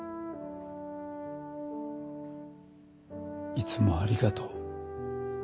いつもありがとう。